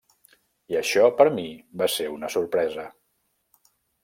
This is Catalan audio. I això per a mi va ser una sorpresa.